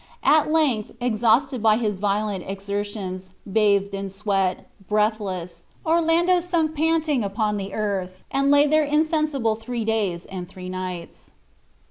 At length, exhausted by his violent exertions, bathed in sweat, breathless, Orlando sunk panting upon the earth, and lay there insensible three days and three nights.